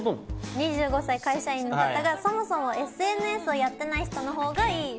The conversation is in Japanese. ２５歳会社員の方が「そもそもＳＮＳをやってない人のほうがいい」。